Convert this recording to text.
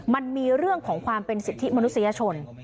มันมีเรื่องของความเป็นสิทธิมนุษยชน